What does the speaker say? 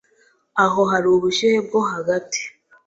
Aho hari ubushyuhe bwo hagati